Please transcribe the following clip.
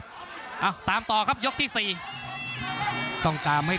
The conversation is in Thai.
ภูตวรรณสิทธิ์บุญมีน้ำเงิน